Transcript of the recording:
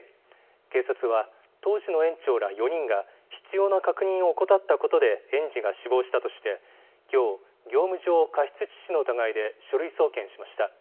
警察は、当時の園長ら４人が、必要な確認を怠ったことで園児が死亡したとして、きょう、業務上過失致死の疑いで書類送検しました。